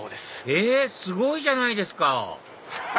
えすごいじゃないですか！